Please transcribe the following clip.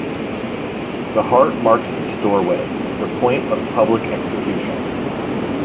The heart marks its doorway: the point of public execution.